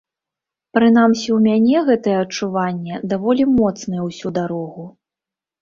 Прынамсі ў мяне гэтае адчуванне даволі моцнае ўсю дарогу.